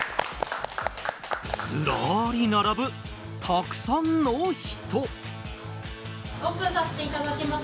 ずらり並ぶたくさんの人。